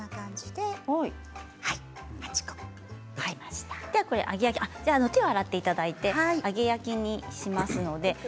では手を洗っていただいて揚げ焼きにしますので。